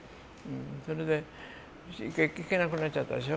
それで行けなくなっちゃったでしょ。